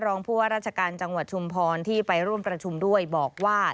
รองผู้ว่าราชการจังหวัดชุมพรที่ไปร่วมประชุมด้วยบอกว่า